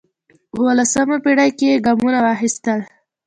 په اوولسمه پېړۍ کې یې ګامونه واخیستل